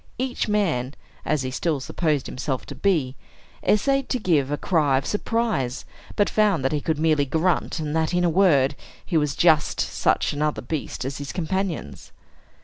Each man (as he still supposed himself to be) essayed to give a cry of surprise, but found that he could merely grunt, and that, in a word, he was just such another beast as his companions.